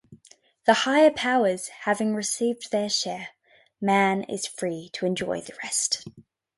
The higher powers having received their share, man is free to enjoy the rest.